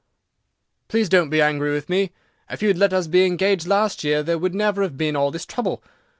Please don't be angry with me; if you had let us be engaged last year, there would never have been all this trouble.